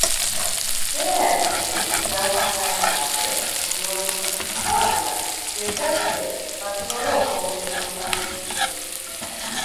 Beerabire enjawukana zaabwe mu byobufuzi wabula beegatte basobole okwogera eddoboozi limu.